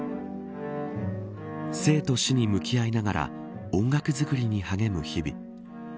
生と死に向き合いながら音楽作りに励む日々。